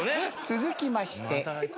続きまして「帰宅」。